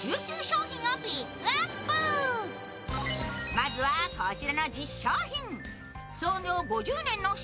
まずはこちらの１０商品。